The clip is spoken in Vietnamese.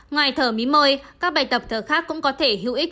ngoài thở mí các bài tập thở khác cũng có thể hữu ích